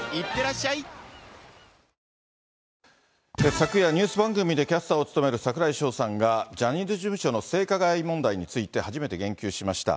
昨夜、ニュース番組でキャスターを務める櫻井翔さんが、ジャニーズ事務所の性加害問題について初めて言及しました。